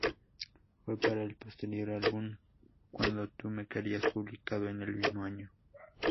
Fue para el posterior álbum, "Cuando tú me quieras", publicado en el mismo año.